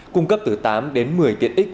cung cấp từ tám đến một mươi tiện ích